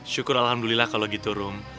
syukur alhamdulillah kalau gitu rum